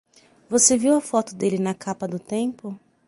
Você viu a foto dele na capa do Tempo?